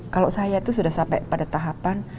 kalau saya itu sudah sampai pada tahapan